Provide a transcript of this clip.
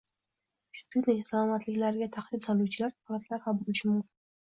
shuningdek salomatliklariga tahdid soluvchi holatlar ham bo‘lishi mumkin.